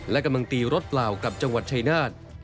และกำลังตีรถเปล่ากับจังหวัดชายนาฏ